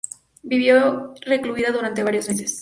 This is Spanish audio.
Vivió recluido durante varios meses.